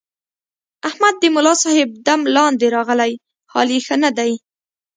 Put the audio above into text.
احمد د ملاصاحب دم لاندې راغلی، حال یې ښه نه دی.